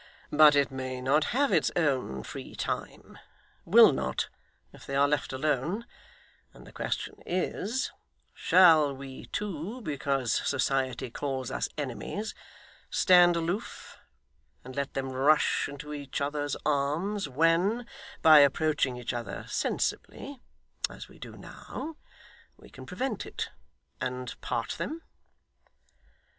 But it may not have its own free time will not, if they are left alone and the question is, shall we two, because society calls us enemies, stand aloof, and let them rush into each other's arms, when, by approaching each other sensibly, as we do now, we can prevent it, and part them?